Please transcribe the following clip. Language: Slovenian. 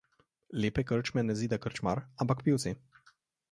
Lepe krčme ne zida krčmar, ampak pivci.